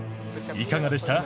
いかがでした？